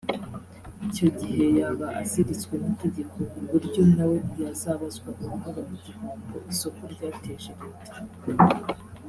icyo gihe yaba aziritswe n’itegeko ku buryo na we yazabazwa uruhare mu gihombo isoko ryateje Leta